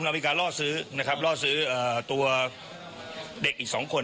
เรามีการรอดซื้อนะครับรอดซื้อเอ่อตัวเด็กอีกสองคน